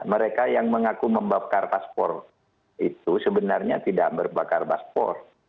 mereka yang mengaku membakar paspor itu sebenarnya tidak berbakar paspor